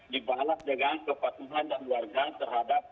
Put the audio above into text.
dibalas dengan kepatuhan dan warga terhadap